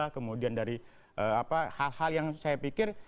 kemudian dari hal hal yang saya pikir